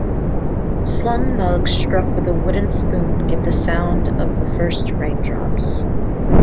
Slung mugs struck with a wooden spoon give the sound of the first raindrops.